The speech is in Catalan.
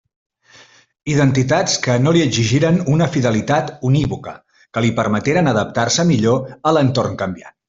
Identitats que no li exigiren una fidelitat unívoca, que li permeteren adaptar-se millor a l'entorn canviant.